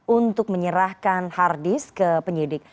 untuk menyerahkan hard disk ke penyidik